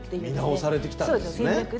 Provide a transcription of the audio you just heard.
見直されてきたんですね。